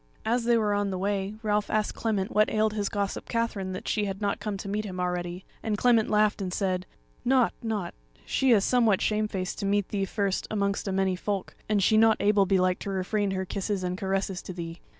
As they were on the way Ralph asked Clement what ailed his gossip Katherine that she had not come to meet him already; and Clement laughed and said: "Nought, nought; she is somewhat shamefaced to meet thee first amongst a many folk, and she not able belike to refrain her kisses and caresses to thee.